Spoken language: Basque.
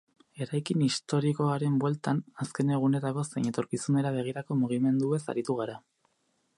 Eraikin historikoaren bueltan, azken egunetako zein etorkizunera begirako mugimenduez aritu gara.